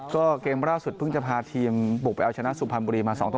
ก็เกมล่าสุดเพิ่งจะพาทีมบุกไปเอาชนะสุพรรณบุรีมา๒ต่อ